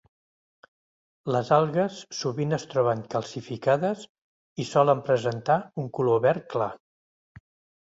Les algues sovint es troben calcificades i solen presentar un color verd clar.